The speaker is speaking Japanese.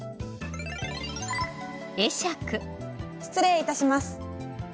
失礼いたします。